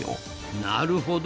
なるほど。